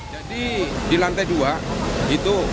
jadi di lantai dua itu